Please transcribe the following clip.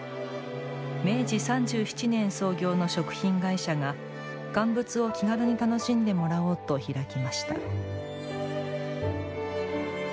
明治３７年創業の食品会社が乾物を気軽に楽しんでもらおうと開きました。